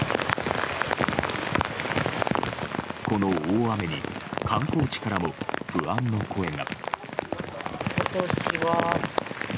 この大雨に観光地からも不安の声が。